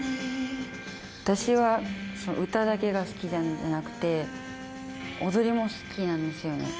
私は、歌だけが好きなんじゃなくて、踊りも好きなんですよね。